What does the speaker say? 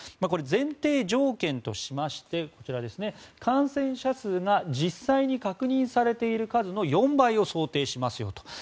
これは前提条件としてこちら、感染者数が実際に確認されている数の４倍を想定しますよと。